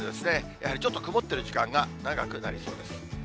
やはりちょっと曇ってる時間が長くなりそうです。